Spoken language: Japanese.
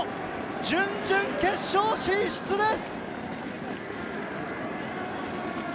準々決勝進出です！